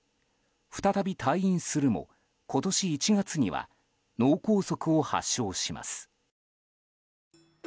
再び退院するも、今年１月には脳梗塞を発症します。